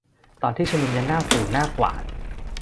ตอนที่ชุมนุมยังหน้าสิ่วหน้าขวาน